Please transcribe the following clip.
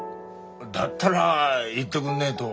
だったら言ってくんねえと。